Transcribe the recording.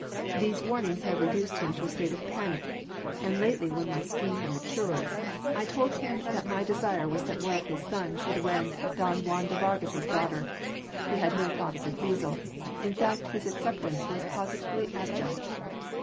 These warnings have reduced him to a state of panic, and lately when my scheme had matured I told him that my desire was that one of his sons should wed don Juan de Vargas’ daughter. He had no thought of refusal. In fact his acceptance was positively abject."